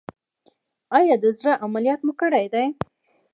ایا د زړه عملیات مو کړی دی؟